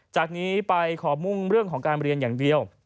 จากนี้ไปขอมุ่งเรื่องของการเรียนอย่างเดียว